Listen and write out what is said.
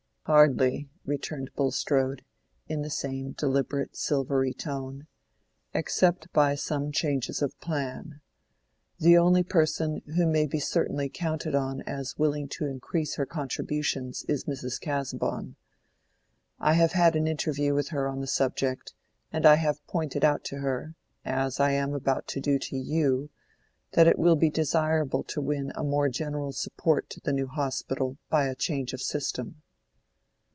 "Hardly," returned Bulstrode, in the same deliberate, silvery tone; "except by some changes of plan. The only person who may be certainly counted on as willing to increase her contributions is Mrs. Casaubon. I have had an interview with her on the subject, and I have pointed out to her, as I am about to do to you, that it will be desirable to win a more general support to the New Hospital by a change of system."